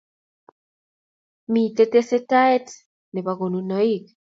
Mitei tesetaet nebo konunoik